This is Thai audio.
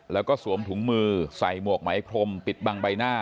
แล้วก็สวมถุงมือใส่หมวกไหมพรมปิดบังใบหน้า